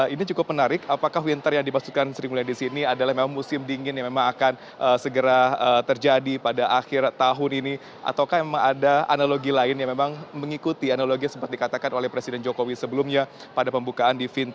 ini cukup menarik apakah winter yang dimaksudkan sri mulyani sini adalah memang musim dingin yang memang akan segera terjadi pada akhir tahun ini ataukah memang ada analogi lain yang memang mengikuti analogi yang sempat dikatakan oleh presiden jokowi sebelumnya pada pembukaan di fintech